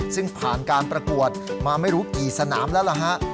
ซึ่งผ่านการประกวดมาไม่รู้กี่สนามแล้วล่ะฮะ